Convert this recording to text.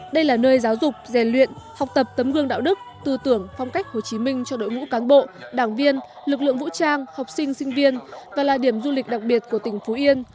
đây là nơi giáo dục rèn luyện học tập tấm gương đạo đức tư tưởng phong cách hồ chí minh cho đội ngũ cán bộ đảng viên lực lượng vũ trang học sinh sinh viên và là điểm du lịch đặc biệt của tỉnh phú yên